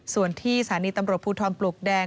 ส่วนที่สถานีตำรวจภูทรปลวกแดง